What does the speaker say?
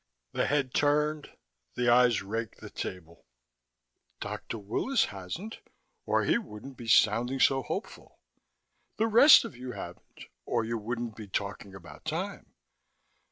The head turned, the eyes raked the table. "Dr. Willis hasn't, or he wouldn't be sounding so hopeful. The rest of you haven't, or you wouldn't be talking about time.